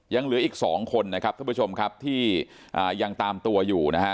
ยังเหลืออีกสองคนนะครับท่านผู้ชมครับที่ยังตามตัวอยู่นะฮะ